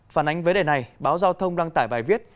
phản ánh vấn đề này báo giao thông đăng tải bài viết